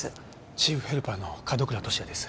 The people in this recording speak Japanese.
チーフヘルパーの門倉俊也です。